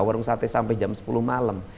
warung sate sampai jam sepuluh malam